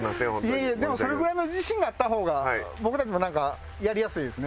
いえいえでもそれぐらいの自信があった方が僕たちもなんかやりやすいですね。